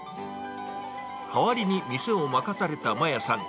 代わりに店を任された、まやさん。